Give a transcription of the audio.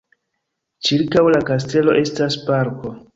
Ĉirkaŭ la kastelo estas parko.